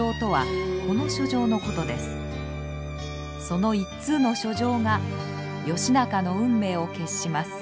その一通の書状が義仲の運命を決します。